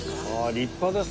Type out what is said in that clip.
立派です！